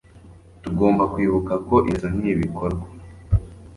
Tugomba kwibuka ko ingeso nibikorwa